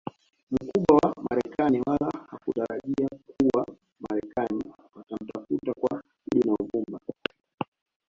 mkubwa wa marekani wala hakutarajia kuwa wamarekani watamtafuta kwa udi na uvumba